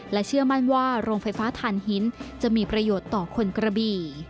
เชื่อมั่นว่าโรงไฟฟ้าฐานหินจะมีประโยชน์ต่อคนกระบี่